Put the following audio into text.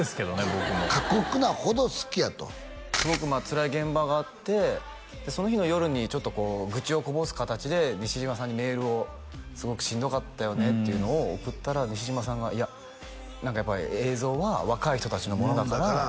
僕も過酷なほど好きやとすごくつらい現場があってその日の夜にちょっとこう愚痴をこぼす形で西島さんにメールをすごくしんどかったよねっていうのを送ったら西島さんが「いややっぱり映像は若い人達のものだから」